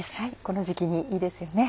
この時期にいいですよね。